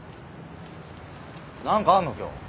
何かあんの今日？